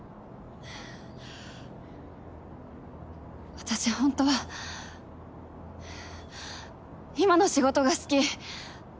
私ほんとは今の仕事が好き。